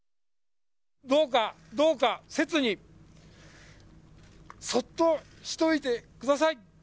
どうかどうか、せつに、そっとしておいてください。